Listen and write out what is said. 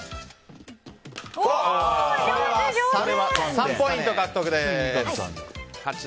３ポイント獲得です。